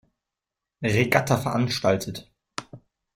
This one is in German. Regatta veranstaltet.